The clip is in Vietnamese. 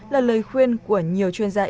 là lời khuyên của nhiều chuyên gia y tế